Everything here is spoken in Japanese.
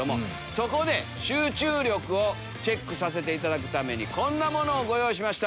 そこで集中力をチェックさせていただくためにこんなものをご用意しました。